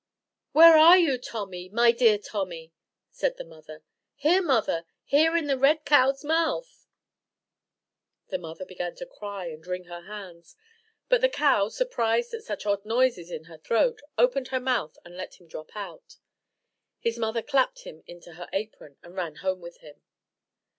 "Where are you, Tommy, my dear Tommy?' said the mother. "Here, mother, here in the red cow's mouth." The mother began to cry and wring her hands; but the cow, surprised at such odd noises in her throat, opened her mouth and let him drop out. His mother clapped him into her apron, and ran home with him.